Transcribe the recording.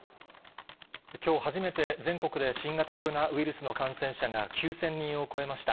きょう初めて、全国で新型コロナウイルスの感染者が９０００人を超えました。